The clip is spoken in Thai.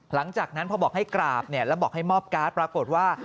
หลังจากนั้นพอบอกให้กราบแล้วบอกให้มอบการ์ดปรากฏว่า